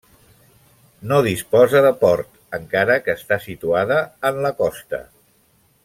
No disposa de port, encara que està situada en la costa.